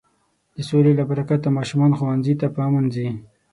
د سولې له برکته ماشومان ښوونځي ته په امن ځي.